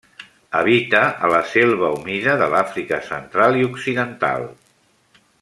Habita a la selva humida de l'Àfrica Central i Occidental.